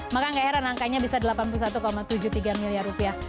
maka gak heran angkanya bisa delapan puluh satu tujuh puluh tiga miliar rupiah